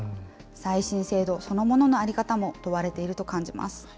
再審制度そのものの在り方も問われていると感じます。